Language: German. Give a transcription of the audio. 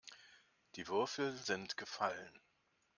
Die Würfel sind gefallen.